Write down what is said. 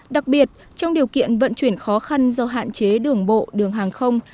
đặc biệt trong điều kiện vận chuyển khó khăn do hạn chế đường bộ đường hàng không